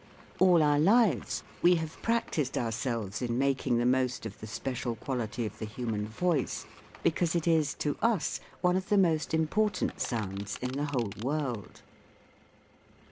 All our lives we have practised ourselves in making the most of the special quality of the human voice, because it is, to us, one of 'the most important sounds in the whole world.